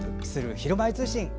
ひるまえ通信」です。